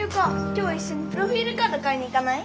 今日いっしょにプロフィールカード買いに行かない？